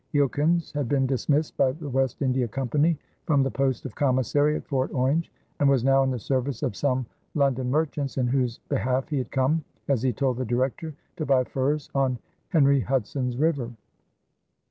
Eelkens had been dismissed by the West India Company from the post of Commissary at Fort Orange, and was now in the service of some London merchants, in whose behalf he had come, as he told the Director, to buy furs on Henry Hudson's River.